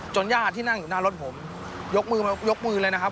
ญาติที่นั่งอยู่หน้ารถผมยกมือยกมือเลยนะครับ